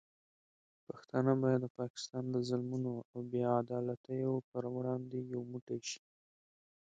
پښتانه باید د پاکستان د ظلمونو او بې عدالتیو پر وړاندې یو موټی شي.